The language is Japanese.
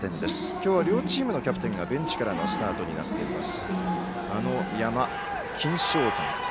今日は両チームのキャプテンがベンチからのスタートになります。